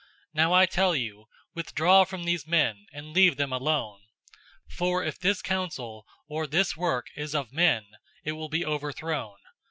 005:038 Now I tell you, withdraw from these men, and leave them alone. For if this counsel or this work is of men, it will be overthrown.